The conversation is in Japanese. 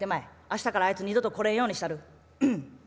明日からあいつ二度と来れんようにしたる」。